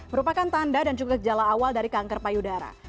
merupakan tanda dan juga gejala awal dari kanker payudara